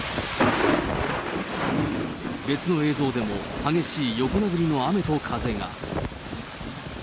別の映像でも、激しい横殴りの雨と風が。